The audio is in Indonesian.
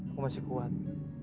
aku masih kuat